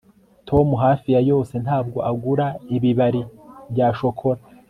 tom hafi ya yose ntabwo agura ibibari bya shokora